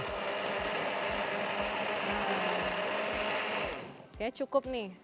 kayaknya cukup nih